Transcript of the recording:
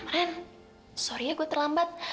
han sorry ya gue terlambat